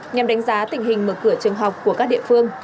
nhằm đánh giá tình hình mở cửa trường học của các địa phương